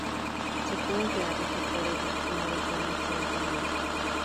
Se pueden crear reflectores de esquina de forma accidentalmente.